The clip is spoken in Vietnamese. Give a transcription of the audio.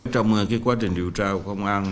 trong quá trình điều tra của công an